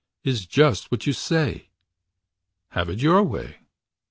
Is just what you say. Have it your way.